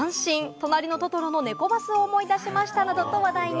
『となりのトトロ』のネコバスを思い出しましたなどと話題に。